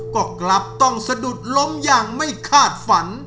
ก็กลับต้องสะดุดล้มอย่างไม่คาดฝัน